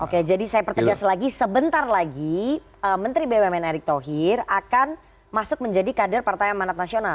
oke jadi saya pertegas lagi sebentar lagi menteri bumn erick thohir akan masuk menjadi kader partai amanat nasional